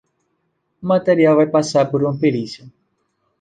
O material vai passar por uma perícia.